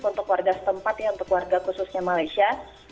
untuk warga setempat ya untuk warga khususnya malaysia